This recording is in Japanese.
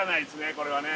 これはね